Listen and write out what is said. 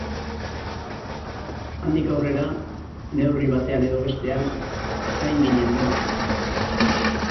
Handik aurrera, neurri batean edo bestean, zain gi-nen denok.